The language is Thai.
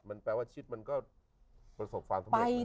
มันแปลว่าชิดมันก็ประสบความสำเร็จ